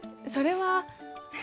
それは。